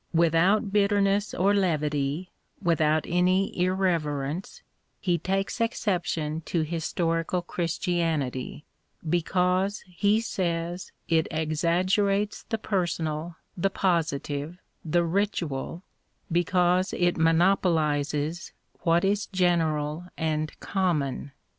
Without bitterness or levity, without any irreverence, he takes exception to historical Christianity, because he says it exaggerates the personal, the positive, the ritual, because it monopolises what is general and common.